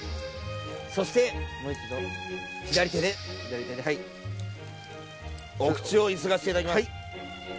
そして左手でお口をゆすがせていただきます。